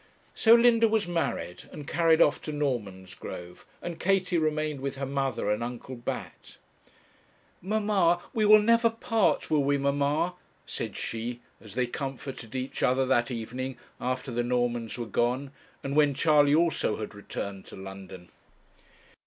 So Linda was married and carried off to Normansgrove, and Katie remained with her mother and Uncle Bat. 'Mamma, we will never part will we, mamma?' said she, as they comforted each other that evening after the Normans were gone, and when Charley also had returned to London.